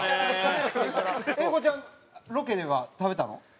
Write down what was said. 英孝ちゃんロケでは食べたの？